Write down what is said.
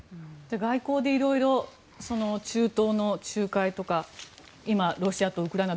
外交で色々中東の仲介とか今、ロシアとウクライナ